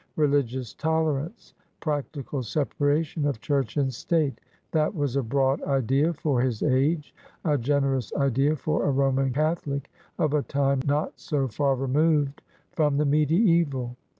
Religious tolerance — practical separation of Church and State — that was a broad idea for his age, a generous idea for a Roman Catholic of a time not so far removed from the mediaeval.